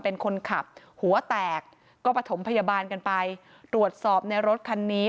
เป็นคนขับหัวแตกก็ประถมพยาบาลกันไปตรวจสอบในรถคันนี้